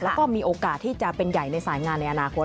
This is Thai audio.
แล้วก็มีโอกาสที่จะเป็นใหญ่ในสายงานในอนาคต